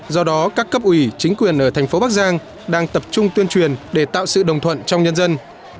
do đó các cấp ủy chính quyền ở thành phố bắc giang đang tập trung tuyên truyền để tạo sự đồng thuận trong nhân dân